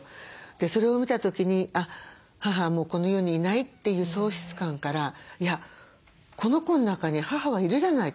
それを見た時に母はもうこの世にいないという喪失感からいやこの子の中に母はいるじゃない。